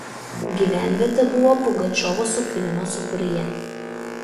Gyvenvietė buvo Pugačiovo sukilimo sūkuryje.